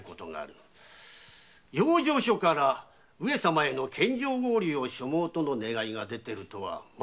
養生所から上様への献上氷を所望との願いが出ているとはまことでござるか？